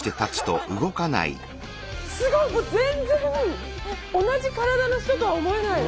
すごい！全然同じ体の人とは思えない。